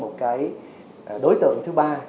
có thêm một đối tượng thứ ba